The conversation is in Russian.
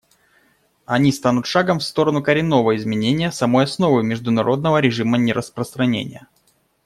Они станут шагом в сторону коренного изменения самой основы международного режима нераспространения.